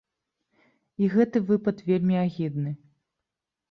І гэты выпад вельмі агідны.